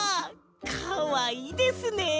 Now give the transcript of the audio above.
かわいいですねえ。